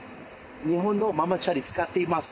日本のママチャリ使っています。